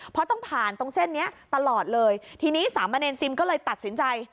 เพราะต้องผ่านตรงเส้นนี้ตลอดเลยทีนี้สามะเนรซิมก็เลยตัดสินใจ